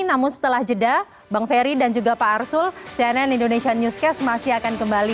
namun setelah jeda bang ferry dan juga pak arsul cnn indonesia newscast masih akan kembali